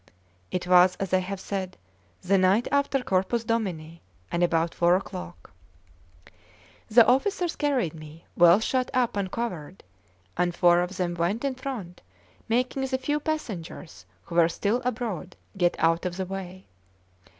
It was, as I have said, the night after Corpus Domini, and about four o'clock. The officers carried me, well shut up and covered, and four of them went in front, making the few passengers who were still abroad get out of the way.